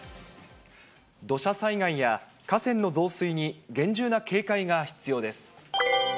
土砂災害や河川の増水に厳重な警戒が必要です。